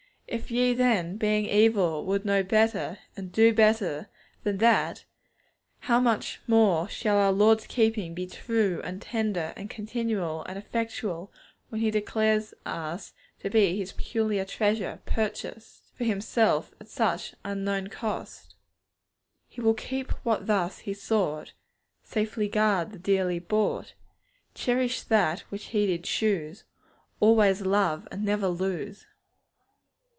If ye then, being evil, would know better, and do better, than that, how much more shall our Lord's keeping be true, and tender, and continual, and effectual, when He declares us to be His peculiar treasure, purchased (See 1 Pet. ii. 9, margin) for Himself at such unknown cost! He will keep what thus He sought, Safely guard the dearly bought; Cherish that which He did choose, Always love and never lose.